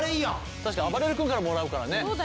たしかにあばれる君からもらうからね。